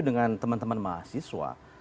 dengan teman teman mahasiswa